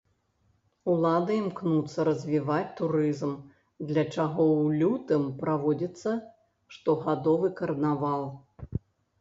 Улады імкнуцца развіваць турызм, для чаго ў лютым праводзіцца штогадовы карнавал.